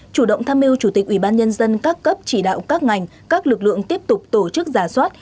chủ động tham mưu chủ tịch ubnd các cấp chỉ đạo các ngành các lực lượng tiếp tục tổ chức giả soát